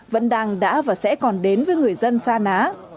vẫn đang đã và sẽ còn đến với người dân sa ná